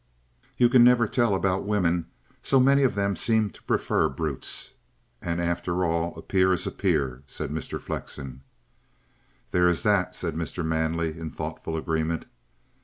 "You can never tell about women. So many of them seem to prefer brutes. And, after all, a peer is a peer," said Mr. Flexen. "There is that," said Mr. Manley in thoughtful agreement.